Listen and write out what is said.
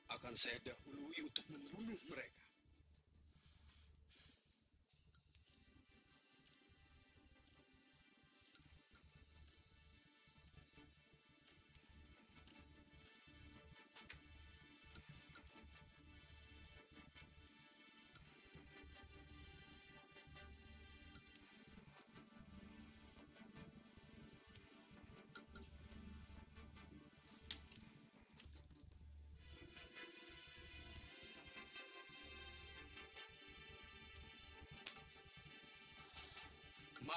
akan saya dahului untuk menurunkan mereka